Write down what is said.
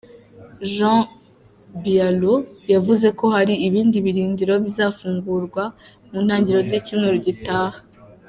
Jean Baillaud yavuze ko hari ibindi birindiro bizafungurwa mu ntangiriro z’icyumweru gitaha.